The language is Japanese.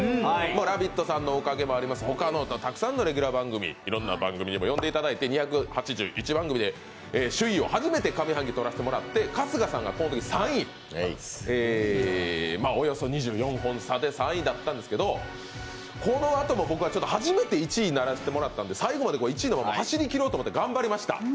「ラヴィット！」さんのおかげもあります、ほかにもたくさんのレギュラー番組、いろんな番組にも呼んでいただいて、２８１番組で首位を初めて上半期とらせてもらって春日さんがこのとき、およそ２４本差で３位だったんですけどこのあとも僕は初めて１位にならせていただいたんで最後まで１位のまま走り切ろうと思って、頑張りました。